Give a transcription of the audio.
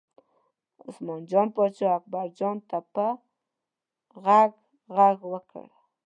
عثمان جان پاچا اکبرجان ته په غږ غږ وکړ.